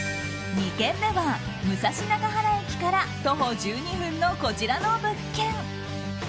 ２軒目は武蔵中原駅から徒歩１２分のこちらの物件。